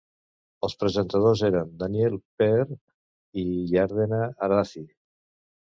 Els presentadors eren Daniel Pe'er i Yardena Arazi.